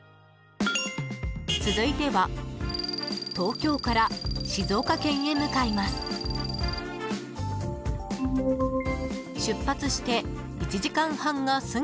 続いては、東京から静岡県へ向かいます。